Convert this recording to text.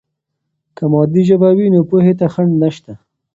که مادي ژبه وي، نو پوهې ته خنډ نشته.